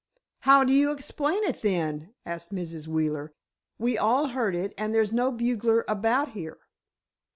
"How do you explain it, then?" asked Mrs. Wheeler. "We all heard it, and there's no bugler about here."